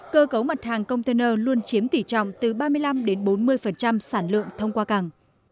cơ cấu mặt hàng container luôn chiếm tỷ trọng từ ba mươi năm bốn mươi sản lượng thông qua cảng